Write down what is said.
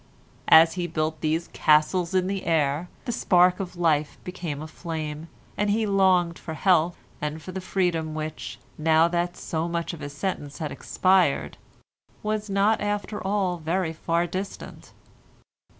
As he built these castles in the air, the spark of life became a flame, and he longed for health, and for the freedom which, now that so much of his sentence had expired, was not after all very far distant.